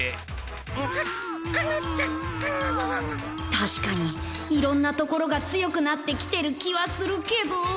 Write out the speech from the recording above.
確かにいろんなところが強くなってきてる気はするけど